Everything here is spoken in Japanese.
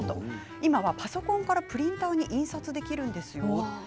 今はパソコンからプリント印刷できるんですよ。